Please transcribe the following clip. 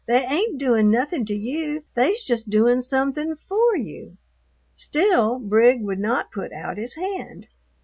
They ain't doin' nothin' to you, they's just doin' somethin' for you." Still Brig would not put out his hand.